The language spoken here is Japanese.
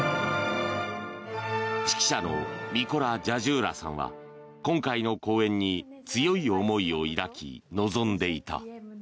指揮者のミコラ・ジャジューラさんは今回の公演に強い思いを抱き臨んでいた。